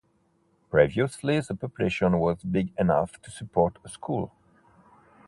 Previously the population was big enough to support a school.